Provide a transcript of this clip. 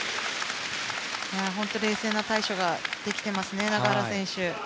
本当に冷静な対処ができていますね永原選手。